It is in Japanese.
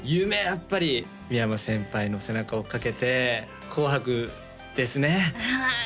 やっぱり三山先輩の背中を追っかけて「紅白」ですねああ